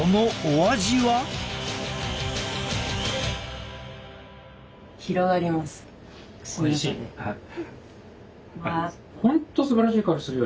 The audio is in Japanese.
おいしい。